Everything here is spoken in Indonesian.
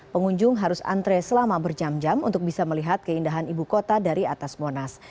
pengunjung harus antre selama berjam jam untuk bisa melihat keindahan ibu kota dari atas monas